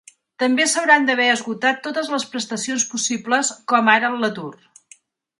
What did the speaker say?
També s’hauran d’haver esgotat totes les prestacions possibles, coma ara l’atur.